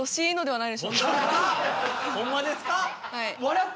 はい。